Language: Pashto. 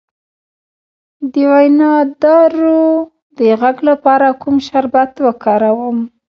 د وینادرو د غږ لپاره کوم شربت وکاروم؟